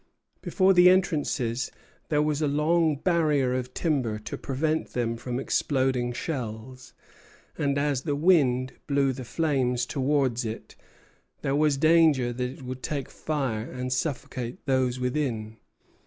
Before the entrances there was a long barrier of timber to protect them from exploding shells; and as the wind blew the flames towards it, there was danger that it would take fire and suffocate those within.